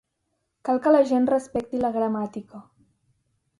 Cal que la gent respecti la gramàtica.